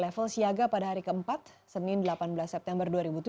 level siaga pada hari keempat senin delapan belas september dua ribu tujuh belas